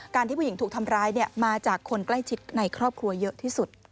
ที่ผู้หญิงถูกทำร้ายมาจากคนใกล้ชิดในครอบครัวเยอะที่สุด